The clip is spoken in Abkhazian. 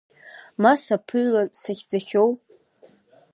Ма саԥыҩлан сахьӡахьоу…